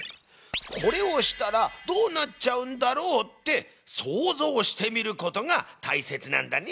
「これをしたらどうなっちゃうんだろう？」って想像してみることがたいせつなんだね。